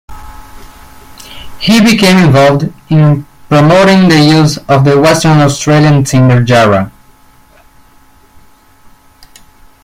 He became involved in promoting the use of the Western Australian timber jarrah.